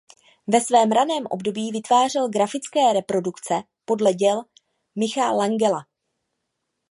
Ve svém raném období vytvářel grafické reprodukce podle děl Michelangela.